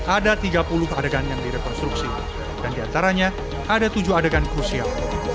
ada tiga puluh adegan yang direkonstruksi dan diantaranya ada tujuh adegan krusial